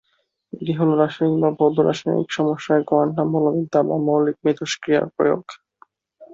এটি হল রাসায়নিক বা ভৌত-রাসায়নিক সমস্যায় কোয়ান্টাম বলবিদ্যা বা মৌলিক মিথস্ক্রিয়ার প্রয়োগ।